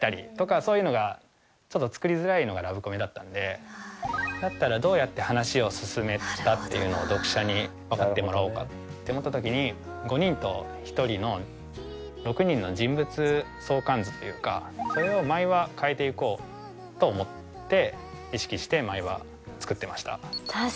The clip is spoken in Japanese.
そういうのがちょっと作りづらいのがラブコメだったのでだったらどうやって話を進めたっていうのを読者にわかってもらおうかって思った時に５人と１人の６人の人物相関図というかそれを毎話変えていこうと思って意識して毎話作ってました。